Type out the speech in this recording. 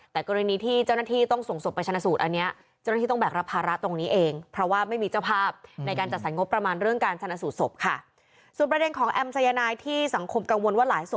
แต่กรณีที่เจ้าหน้าที่ส่งของสพไปชนสูตร